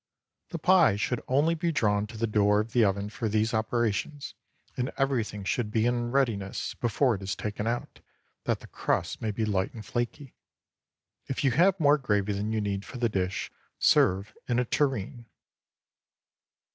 The pie should only be drawn to the door of the oven for these operations, and everything should be in readiness before it is taken out, that the crust may be light and flaky. If you have more gravy than you need for the dish, serve in a tureen.